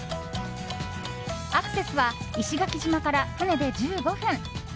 アクセスは石垣島から船で１５分。